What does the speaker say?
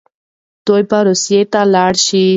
دی به روسيې ته لاړ شي.